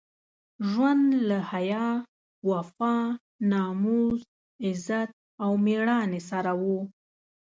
ژوند له حیا، وفا، ناموس، عزت او مېړانې سره وو.